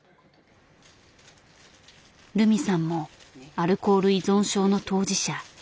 ルミさんもアルコール依存症の当事者。